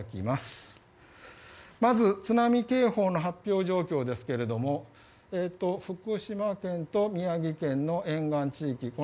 まず津波警報の発表状況ですが福島県と宮城県の沿岸地域